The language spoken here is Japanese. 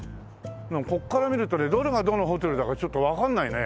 でもここから見るとねどれがどのホテルだかちょっとわかんないね。